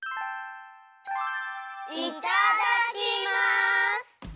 いただきます！